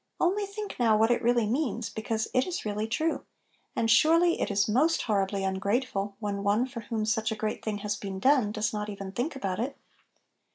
Only think now, what it really means, because it is really true; and surely it is most horribly ungrate ful, when one for whom such a great thing has been done does not even think about it.